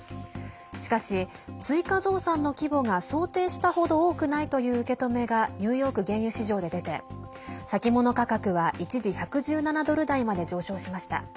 しかし、追加増産の規模が想定したほど多くないという受け止めがニューヨーク原油市場で出て先物価格は一時１１７ドル台まで上昇しました。